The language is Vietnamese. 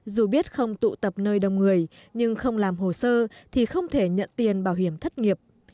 dù biết không tụ tập nơi đông người nhưng không làm hồ sơ thì không thể nhận tiền bảo hiểm thất nghiệp